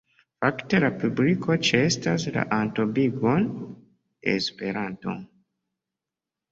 Fakte la publiko ĉeestas la entombigon de Esperanto.